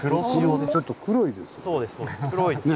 ちょっと黒いです。